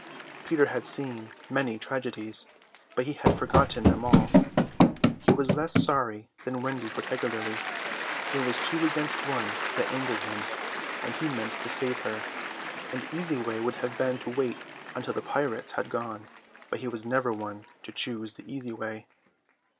Peter had seen many tragedies, but he had forgotten them all. He was less sorry than Wendy for Tiger Lily: it was two against one that angered him, and he meant to save her. An easy way would have been to wait until the pirates had gone, but he was never one to choose the easy way.